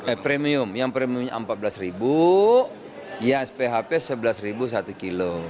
eh premium yang premiumnya rp empat belas yang sphp rp sebelas satu kilo